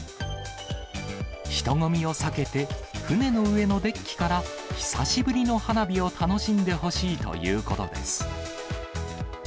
人混みを避けて、船の上のデッキから久しぶりの花火を楽しんでほしいということです。